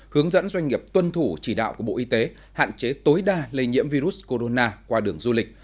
hướng dẫn doanh nghiệp tuân thủ chỉ đạo của bộ y tế hạn chế tối đa lây nhiễm virus corona qua đường du lịch